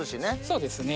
そうですね。